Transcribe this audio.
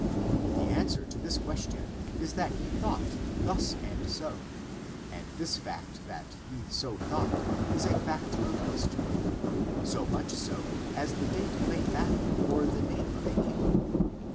The answer to this question is that he thought thus and so, and this fact that he so thought is a fact of history, as much so as the date of a battle or the name of a king.